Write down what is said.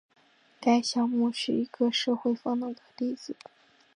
该项目是一个社区风能的例子。